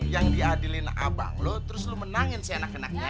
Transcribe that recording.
lu diadilin abang lu terus lu menangin si anak anaknya aja